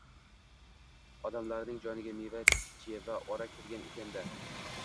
Odamlarning joniga meva-cheva ora kirgan ekan-da.